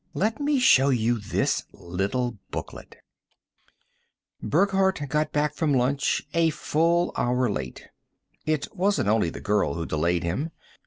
Let me show you this little booklet " Burckhardt got back from lunch a full hour late. It wasn't only the girl who delayed him.